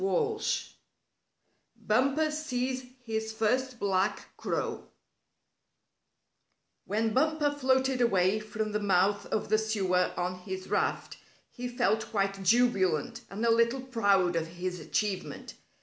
STORY X BUMPER SEES HIS FIRST BLACK CROW When Bumper floated away from the mouth of the sewer on his raft, he felt quite jubilant, and a little proud of his achievement.